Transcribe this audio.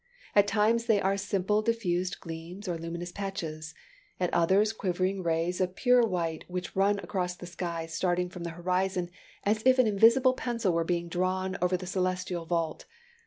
"At times they are simple diffused gleams or luminous patches; at others, quivering rays of pure white which run across the sky, starting from the horizon as if an invisible pencil were being drawn over the celestial vault.